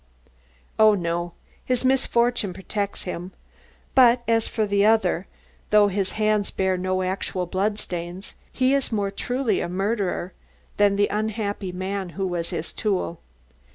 "Oh, no; his misfortune protects him. But as for the other, though his hands bear no actual bloodstains, he is more truly a murderer than the unhappy man who was his tool.